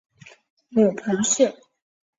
母彭氏。